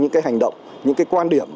những cái hành động những cái quan điểm